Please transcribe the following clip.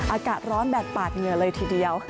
อากาศร้อนแบบปาดเหงื่อเลยทีเดียว